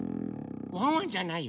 ワンワンじゃないよ。